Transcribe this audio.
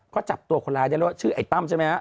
ก็จับตัวคนร้ายได้หรือชื่อไอ้ต้ำใช่ไหม